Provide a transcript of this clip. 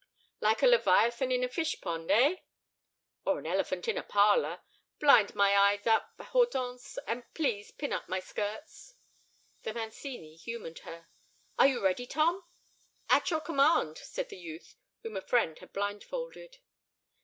"Like a leviathan in a fish pond, eh?" "Or an elephant in a parlor. Bind my eyes up, Hortense, and please pin up my skirts." The Mancini humored her. "Are you ready, Tom?" "At your command," said the youth, whom a friend had blindfolded.